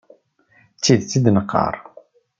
D tidet i d-neqqar.